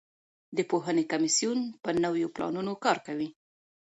د پوهنې کمیسیون په نویو پلانونو کار کوي.